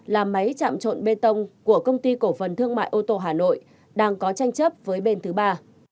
là máy chạm trộn bê tông của công ty cổ phần thương mại ô tô hà nội đang có tranh chấp với bên thứ ba